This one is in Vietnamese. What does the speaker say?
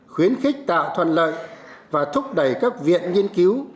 khuyến khích tạo thuận lợi và thúc đẩy các viện nghiên cứu